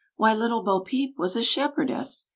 Why, little Bo Peep was a shepherdess!